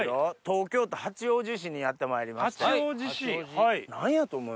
東京都八王子市にやってまいりました。